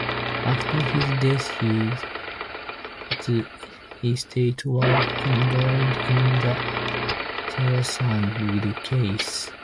After his death his estate was embroiled in the Thellusson Will Case.